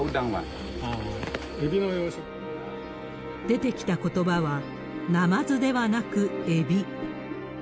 出てきたことばは、ナマズではなく、エビ。